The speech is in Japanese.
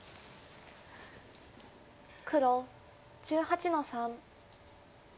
黒１８の三。